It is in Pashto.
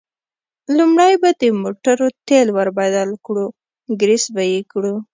لومړی به د موټرو تېل ور بدل کړو، ګرېس به یې کړو.